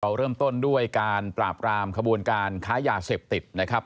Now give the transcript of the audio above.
เริ่มต้นด้วยการปราบรามขบวนการค้ายาเสพติดนะครับ